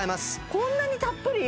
こんなにたっぷり？